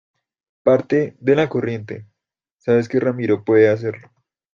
parte de la corriente, sabes que Ramiro puede hacerlo.